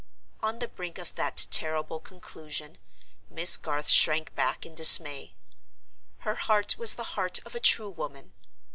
On the brink of that terrible conclusion, Miss Garth shrank back in dismay. Her heart was the heart of a true woman.